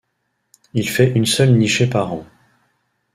Il fait une seule nichée par an.